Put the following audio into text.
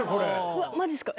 うわっマジっすか。